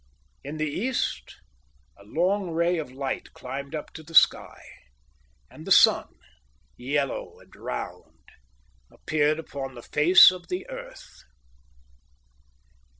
In the east, a long ray of light climbed up the sky, and the sun, yellow and round, appeared upon the face of the earth.